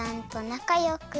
なかよく。